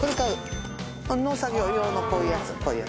農作業用のこういうやつ。